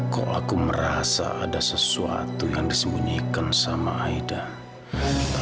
kok aku merasa ada sesuatu yang disembunyikan sama aida